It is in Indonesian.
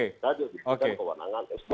tadi juga diberikan kewenangan sp tiga